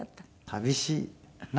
寂しい。